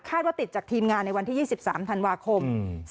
ว่าติดจากทีมงานในวันที่๒๓ธันวาคม